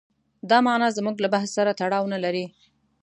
دا معنا زموږ له بحث سره تړاو نه لري.